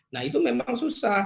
nah itu memang susah